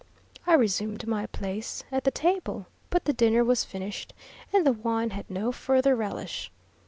I resumed my place at the table; but the dinner was finished, and the wine had no further relish.